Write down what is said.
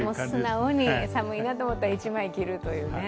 素直に寒いなと思ったら一枚着るというね。